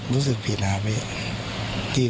รู้สึกผิดนะครับ